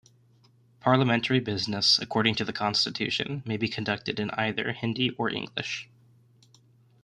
Parliamentary business, according to the Constitution, may be conducted in either Hindi or English.